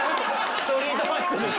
ストリートファイトですか？